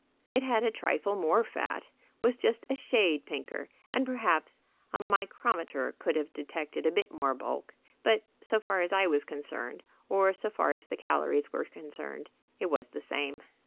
It had a trifle more fat, was just a shade pinker, and perhaps a micrometer could have detected a bit more bulk; but, so far as I was concerned or so far as the calories were concerned, it was the same.